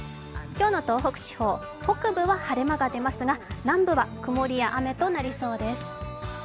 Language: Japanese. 今日の東北地方北部は晴れ間が出ますが南部は曇りや雨となりそうです。